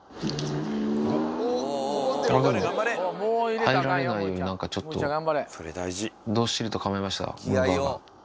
でも入られないように何かちょっとどっしりと構えましたむぅばあが。